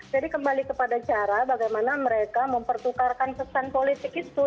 jadi kembali kepada cara bagaimana mereka mempertukarkan kesan politik itu